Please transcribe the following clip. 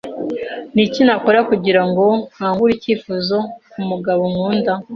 Niki Nakora kugirango nkangure icyifuzo kumugabo nkunda?